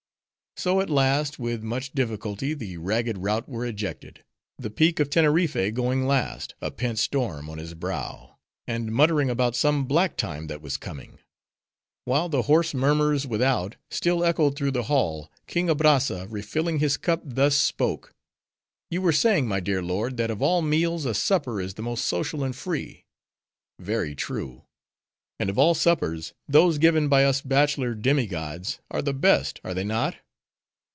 So at last, with much difficulty, the ragged rout were ejected; the Peak of Teneriffe going last, a pent storm on his brow; and muttering about some black time that was corning. While the hoarse murmurs without still echoed through the hall, King Abrazza refilling his cup thus spoke:—"You were saying, my dear lord, that of all meals a supper is the most social and free. Very true. And of all suppers those given by us bachelor demi gods are the best. Are they not?"